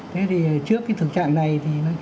trước thực trạng này